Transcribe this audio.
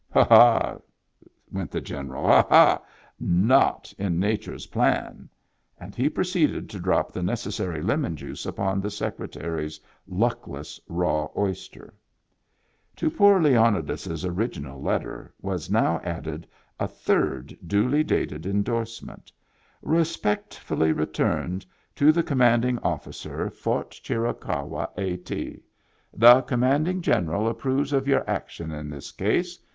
" Ha, ha !" went the General. " Ha, ha ! Not in Nature's plan !" And he proceeded to drop the necessary lemon juice upon the Secretary's luckless raw oyster. To poor Leonidas's original letter was now added a third duly dated indorsement: " Respect fully returned to the commanding officer, Fort Digitized by Google IN THE BACK 117 Chiricahua, A. T. The Commanding General approves of your action in this case.